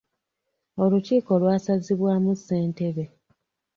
Olukiiko lwasazibwamu ssentebe.